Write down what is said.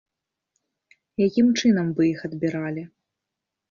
Якім чынам вы іх адбіралі?